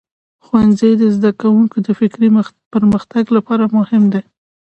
ښوونځی د زده کوونکو د فکري پرمختګ لپاره مهم دی.